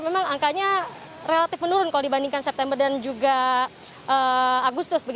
memang angkanya relatif menurun kalau dibandingkan september dan juga agustus